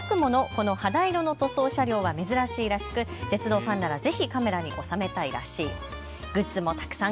やくものこの肌色の塗装車両は珍しいらしく鉄道ファンならぜひカメラに収めたいらしい。